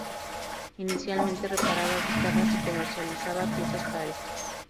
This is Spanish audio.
Inicialmente reparaba guitarras y comercializaba piezas para estas.